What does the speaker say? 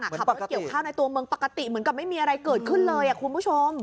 ขับรถเกี่ยวข้าวในตัวเมืองปกติเหมือนกับไม่มีอะไรเกิดขึ้นเลยคุณผู้ชม